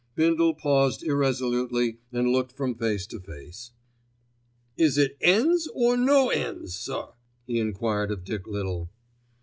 Bindle paused irresolutely and looked from face to face. "Is it 'ens or no 'ens, sir?" he enquired of Dick Little.